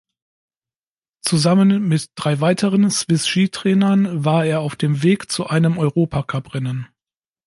Zusammen mit drei weiteren Swiss-Ski-Trainern war er auf dem Weg zu einem Europacuprennen.